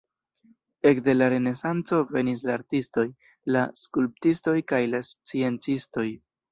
Ekde la renesanco venis la artistoj, la skulptistoj kaj la sciencistoj.